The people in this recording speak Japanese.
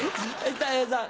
たい平さん。